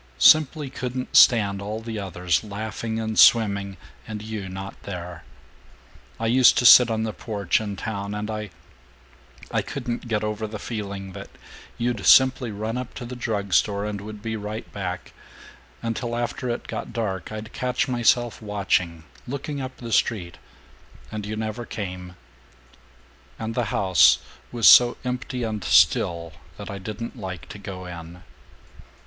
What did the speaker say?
Simply couldn't stand all the others laughing and swimming, and you not there. I used to sit on the porch, in town, and I I couldn't get over the feeling that you'd simply run up to the drug store and would be right back, and till after it got dark I'd catch myself watching, looking up the street, and you never came, and the house was so empty and still that I didn't like to go in.